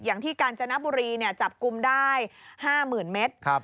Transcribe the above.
อย่างที่การเจนบุรีจับกุมได้๕หมื่นเมตร